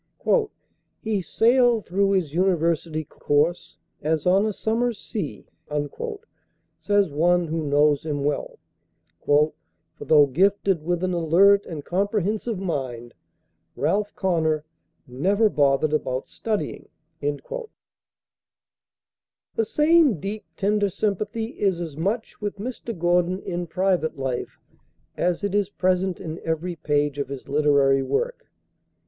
"He sailed through his university course as on a summer's sea," says one who knows him well, "for though gifted with an alert and comprehensive mind, 'Ralph Connor' never bothered about studying." The same deep, tender sympathy is as much with Mr. Gordon in private life as it is present in every page of his literary work.